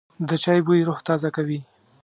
د چای بوی روح تازه کوي.